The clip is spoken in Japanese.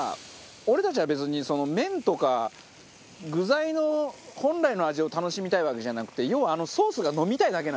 俺たちは別に麺とか具材の本来の味を楽しみたいわけじゃなくて要はあのソースが飲みたいだけ。